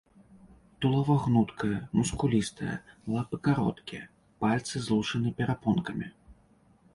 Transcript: Тулава гнуткае, мускулістае, лапы кароткія, пальцы злучаны перапонкамі.